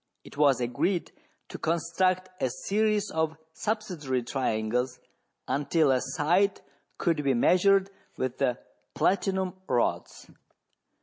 It was agreed to construct a series of subsidiary triangles until a side could be measured with the platinum rods.